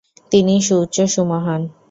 তিনিই সুউচ্চ, সুমহান।